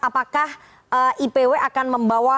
apakah ipw akan membawa